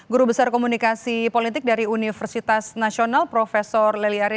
guru besar komunikasi politik dari universitas nasional profesor lely ari